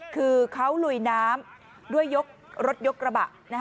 คือเขาลุยน้ำด้วยยกรถยกกระบะ